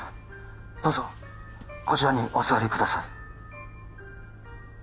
どうぞこちらにお座りください